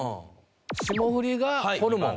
霜降りがホルモン。